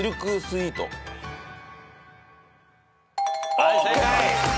はい正解。